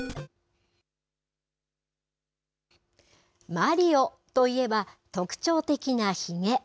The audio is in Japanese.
マリオといえば、特徴的なひげ。